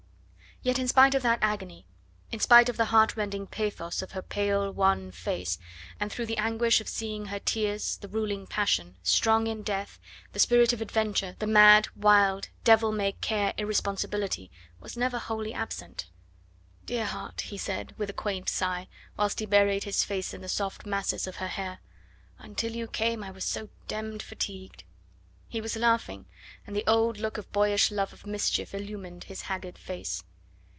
Yet, in spite of that agony, in spite of the heartrending pathos of her pale wan face, and through the anguish of seeing her tears, the ruling passion strong in death the spirit of adventure, the mad, wild, devil may care irresponsibility was never wholly absent. "Dear heart," he said with a quaint sigh, whilst he buried his face in the soft masses of her hair, "until you came I was so d d fatigued." He was laughing, and the old look of boyish love of mischief illumined his haggard face.